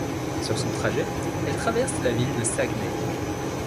Sur son trajet, elle traverse la ville de Saguenay.